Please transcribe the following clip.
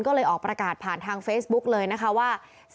ก็เลยออกประกาศผ่านทางเฟซบุ๊กเลยนะคะว่า